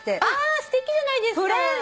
あすてきじゃないですか。